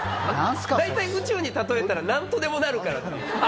大体宇宙に例えたら何とでもなるからっていうね。